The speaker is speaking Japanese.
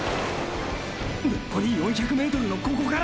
のこり４００ｍのここから！！